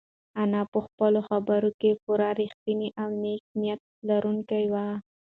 انا په خپلو خبرو کې پوره رښتینې او نېک نیت لرونکې وه.